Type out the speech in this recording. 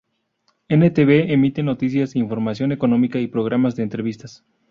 N-tv emite noticias, información económica y programas de entrevistas.